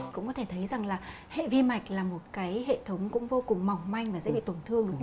cũng có thể thấy rằng là hệ vi mạch là một cái hệ thống cũng vô cùng mỏng manh và dễ bị tổn thương